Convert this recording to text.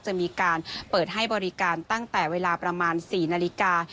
จะมีการเปิดให้บริการตั้งแต่เวลาประมาณ๔นาฬิกา